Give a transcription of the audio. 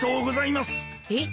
えっ？